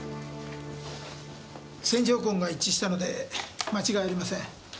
線条痕が一致したので間違いありません。